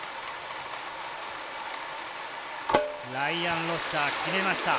ライアン・ロシター、決めました。